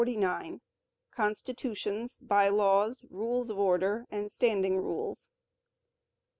Constitutions, By Laws, Rules of Order and Standing Rules.